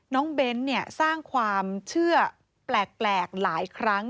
เบ้นสร้างความเชื่อแปลกหลายครั้ง